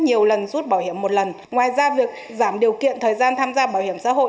nhiều lần rút bảo hiểm một lần ngoài ra việc giảm điều kiện thời gian tham gia bảo hiểm xã hội